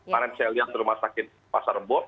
karena saya lihat di rumah sakit pasar bo